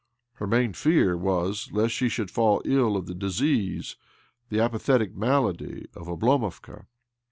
Her main fear was lest she should fall ill of the disease, the apathetic malady, of Oblomovka.